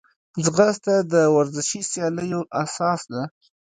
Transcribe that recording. ځغاسته د ورزشي سیالیو اساس ده